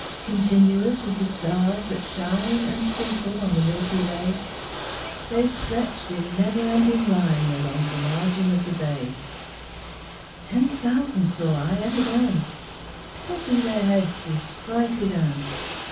Continuous as the stars that shine And twinkle on the milky way, They stretched in never ending line Along the margin of the bay; Ten thousand saw I at a glance, Tossing their heads in sprightly dance.